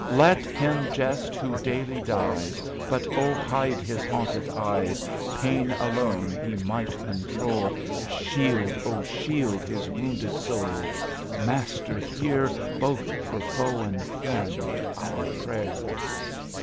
Let him jest who daily dies. But O hide his haunted eyes. Pain alone he might control. Shield, O shield his wounded soul. Master, hear, Both for foe and friend, our prayer.